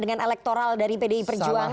dengan elektoral dari pdi perjuangan